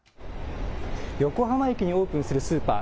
横浜駅にオープンするスーパー。